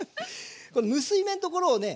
この結び目のところをね